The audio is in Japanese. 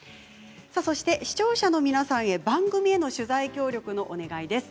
そして視聴者の皆さんへ番組への取材協力のお願いです。